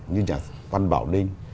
như nhà văn bảo linh